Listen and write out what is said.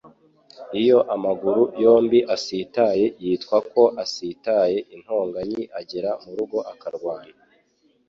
Iyo amaguru yombi asitaye yitwa ko asitaye intonganyi, agera mu rugo akarwana